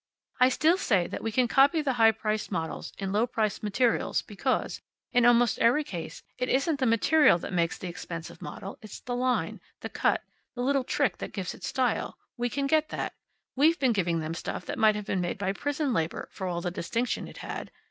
"I still say that we can copy the high priced models in low priced materials because, in almost every case, it isn't the material that makes the expensive model; it's the line, the cut, the little trick that gives it style. We can get that. We've been giving them stuff that might have been made by prison labor, for all the distinction it had.